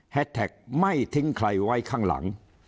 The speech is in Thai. แท็กไม่ทิ้งใครไว้ข้างหลัง